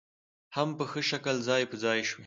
هم په ښه شکل ځاى په ځاى شوې .